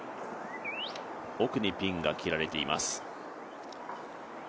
奥にピンが切られています。